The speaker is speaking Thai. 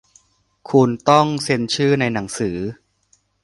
คุณต้องเซ็นชื่อในหนังสือ